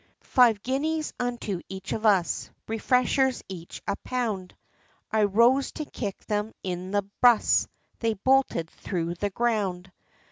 Five guineas unto each of us, Refreshers each, a pound," I rose to kick them into bruss, They bolted through the ground!